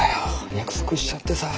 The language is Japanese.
約束しちゃってさ。